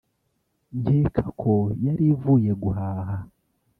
nkeka ko yari ivuye guhaha